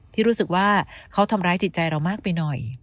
ที่รู้สึกว่าเขาทำร้ายจิตใจเรามากไปหน่อย